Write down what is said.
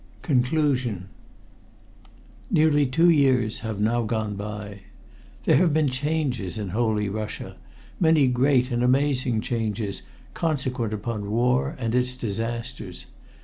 CONCLUSION Nearly two years have now gone by. There have been changes in holy Russia many great and amazing changes consequent upon war and its disasters.